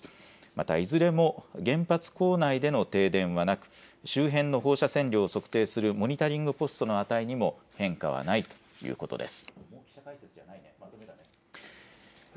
またいずれも原発構内での停電はなく周辺の放射線量を測定するモニタリングポストの値にも変化はないということです。